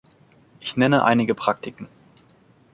Ich nenne einige Praktiken.